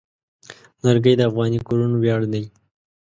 لرګی د افغاني کورنو ویاړ دی.